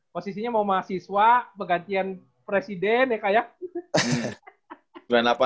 posisinya mau mahasiswa pegantian presiden ya kak ya